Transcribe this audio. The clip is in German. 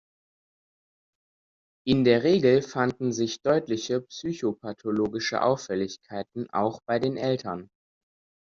In der Regel fanden sich deutliche psychopathologische Auffälligkeiten auch bei den Eltern.